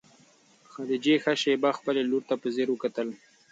خدیجې ښه شېبه خپلې لور ته په ځیر وکتل.